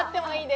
はい。